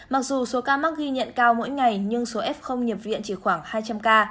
mặc dù số ca mắc ghi nhận cao mỗi ngày nhưng số f không nhập viện chỉ khoảng hai trăm linh ca